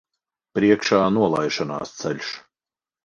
Priekšā nolaišanās ceļš.